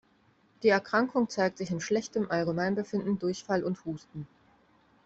Die Erkrankung zeigt sich in schlechtem Allgemeinbefinden, Durchfall und Husten.